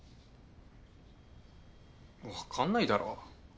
分かんないだろ。